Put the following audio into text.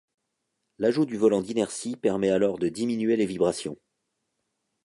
L'ajout du volant d'inertie permet alors de diminuer les vibrations.